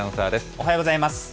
おはようございます。